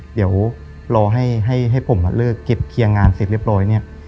เดี๋ยวรอให้ผมเลิกเก็บเคลียร์งานเสร็จเรียบร้อยเนี่ย